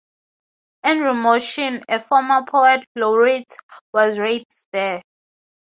Andrew Motion, a former Poet Laureate, was raised there.